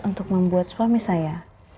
untuk membuat suami saya